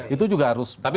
itu juga harus hal lain